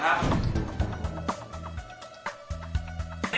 และนี้คุณผงครับ